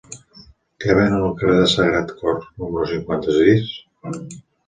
Què venen al carrer del Sagrat Cor número cinquanta-sis?